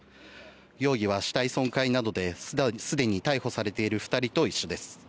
容疑は死体損壊などですでに逮捕されている２人と一緒です。